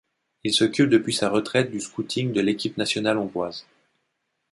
Il s'occupe depuis sa retraite du scouting de l'équipe nationale hongroise.